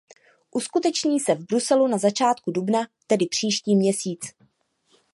Uskuteční se v Bruselu na začátku dubna, tedy příští měsíc.